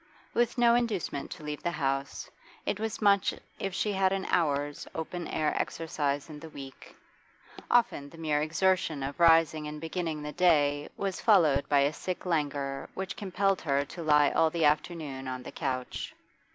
With no inducement to leave the house, it was much if she had an hour's open air exercise in the week; often the mere exertion of rising and beginning the day was followed by a sick languor which compelled her to lie all the afternoon on the couch.